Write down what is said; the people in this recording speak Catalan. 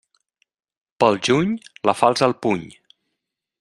Pel juny, la falç al puny.